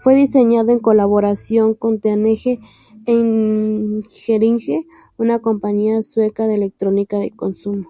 Fue diseñado en colaboración con Teenage Engineering, una compañía sueca de electrónica de consumo.